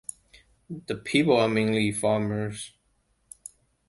The people are mainly farmers.